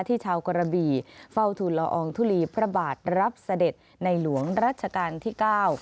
ชาวกระบี่เฝ้าทุนละอองทุลีพระบาทรับเสด็จในหลวงรัชกาลที่เก้า